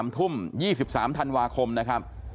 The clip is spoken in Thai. ๓ทุ่ม๒๓ธันวาคมนะครับ